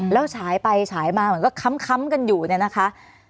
แล้วฉายไปฉายมาเหมือนก็ค้ำกันอยู่เนี่ยนะคะ